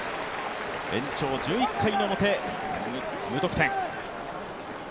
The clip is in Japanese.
延長１１回表、無得点。